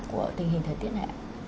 của tình hình thời tiết này